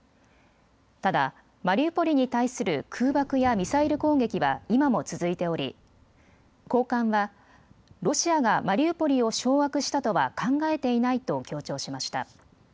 ただマリウポリに対する空爆やミサイル攻撃は今も続いており高官はロシアがマリウポリを掌握したとは考えていないと強調しました。